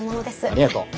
ありがとう。